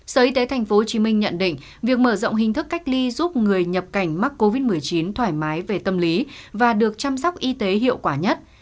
sở y tế tp hcm nhận định việc mở rộng hình thức cách ly giúp người nhập cảnh mắc covid một mươi chín thoải mái về tâm lý và được chăm sóc y tế hiệu quả nhất